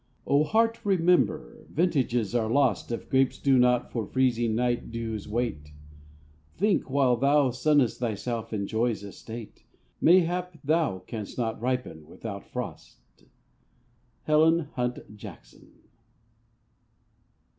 O Heart, remember, vintages are lost If grapes do not for freezing night dews wait. Think, while thou sunnest thyself in Joy's estate, Mayhap thou canst not ripen without frost! —Helen Hunt Jackson.